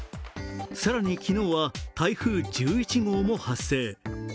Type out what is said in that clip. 更に、昨日は台風１１号も発生。